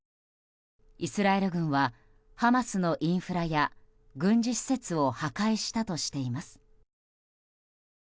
イスラエル軍はハマスのインフラや軍事施設を破壊したとしています。